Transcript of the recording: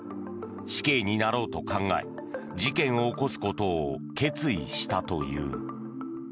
死刑になろうと考え事件を起こすことを決意したという。